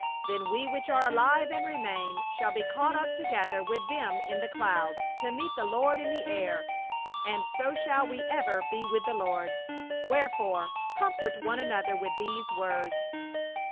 Then we which are alive and remain shall be caught up together with them in the clouds, to meet the Lord in the air; and so shall we ever be with the Lord. Wherefore comfort one another with these words."